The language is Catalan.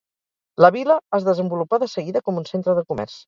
La vila es desenvolupà de seguida com un centre de comerç.